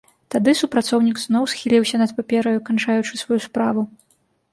Тады супрацоўнік зноў схіліўся над папераю, канчаючы сваю справу.